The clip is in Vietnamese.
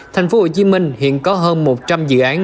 tp hcm hiện có hơn một trăm linh dự án